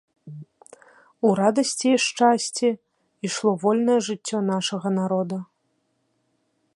У радасці і шчасці ішло вольнае жыццё нашага народа.